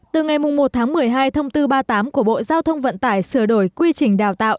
từ ngày một tháng một mươi hai thông tư ba mươi tám của bộ giao thông vận tải sửa đổi quy trình đào tạo